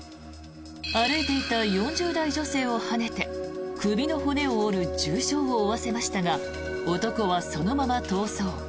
歩いていた４０代女性をはねて首の骨を折る重傷を負わせましたが男はそのまま逃走。